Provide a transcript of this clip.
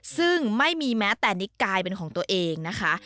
ซึ่งไม่มีแม้แต่นิกายเป็นของตัวเองนะคะ